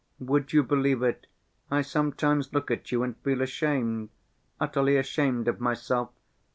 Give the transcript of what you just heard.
Would you believe it, I sometimes look at you and feel ashamed, utterly ashamed of myself....